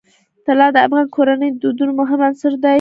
طلا د افغان کورنیو د دودونو مهم عنصر دی.